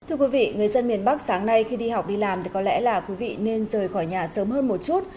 thưa quý vị người dân miền bắc sáng nay khi đi học đi làm thì có lẽ là quý vị nên rời khỏi nhà sớm hơn một chút